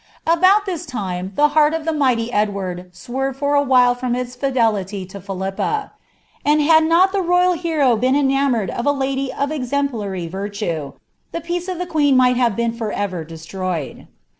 About this time, the heart of the mighty Edward swerved for a while from its fidelity to Philippa ; and had not the royal hero been enamoured of a lady of exemplary virtue, the peace of the queen might have been for erer destroyed.